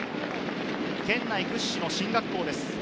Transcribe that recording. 県内屈指の進学校です。